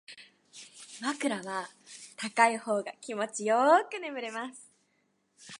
枕は高い方が気持ちよく眠れます